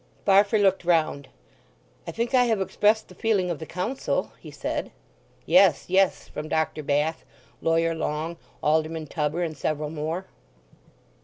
Farfrae looked round. "I think I have expressed the feeling of the Council," he said. "Yes, yes," from Dr. Bath, Lawyer Long, Alderman Tubber, and several more.